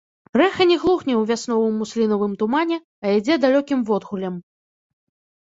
Рэха не глухне ў вясновым муслінавым тумане, а ідзе далёкім водгуллем.